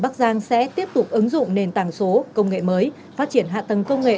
bắc giang sẽ tiếp tục ứng dụng nền tảng số công nghệ mới phát triển hạ tầng công nghệ